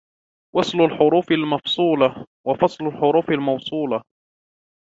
وَصْلُ الْحُرُوفِ الْمَفْصُولَةِ وَفَصْلُ الْحُرُوفِ الْمَوْصُولَةِ